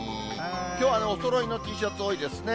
きょう、おそろいのＴシャツ多いですね。